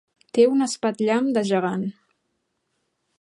Té un espatllam de gegant.